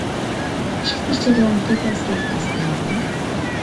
ئىشلىتىش جەريانىدىكى تەسىراتىڭىز قانداقراق؟